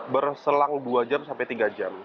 berselang dua jam sampai tiga jam